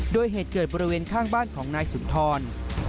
โดยเหตุเกิดบริเวณข้างบ้านของนายสุนทร